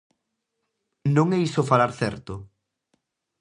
Non é iso falar certo?